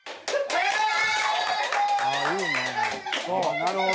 「なるほど」